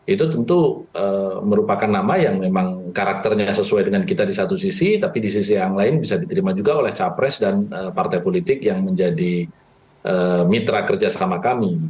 itu tentu merupakan nama yang memang karakternya sesuai dengan kita di satu sisi tapi di sisi yang lain bisa diterima juga oleh capres dan partai politik yang menjadi mitra kerjasama kami